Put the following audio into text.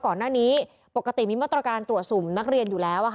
ก่อนหน้านี้ปกติมีมาตรการตรวจสุ่มนักเรียนอยู่แล้ว